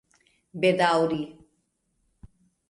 bedaŭri